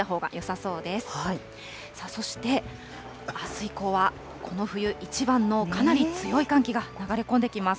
そしてあす以降は、この冬一番のかなり強い寒気が流れ込んできます。